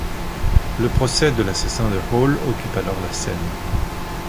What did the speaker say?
Le procès de l’assassin de Hall occupe alors la scène.